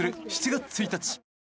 ７月１日。